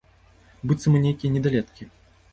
Быццам мы нейкія недалеткі!